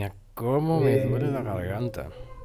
Вријеме истиче.